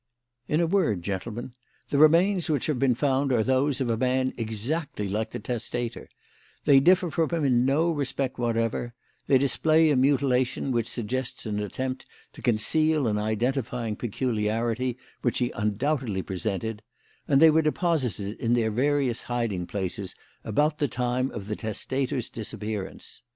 In a word, gentlemen, the remains which have been found are those of a man exactly like the testator; they differ from him in no respect whatever; they display a mutilation which suggests an attempt to conceal an identifying peculiarity which he undoubtedly presented; and they were deposited in their various hiding places about the time of the testator's disappearance.